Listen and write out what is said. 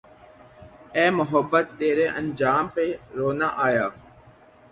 اے محبت تیرے انجام پہ رونا آیا